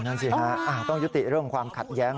นั่นสิฮะต้องยุติเรื่องความขัดแย้ง